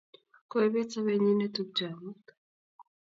koibet sobenyi neptupcho amut